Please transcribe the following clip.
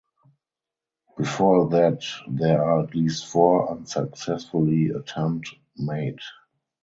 Before that there are at least four unsuccessfully attempt made.